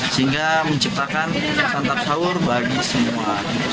sehingga menciptakan santap sahur bagi semua